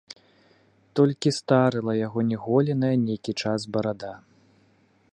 Толькі старыла яго няголеная нейкі час барада.